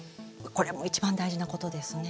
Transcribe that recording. これもいちばん大事なことですね。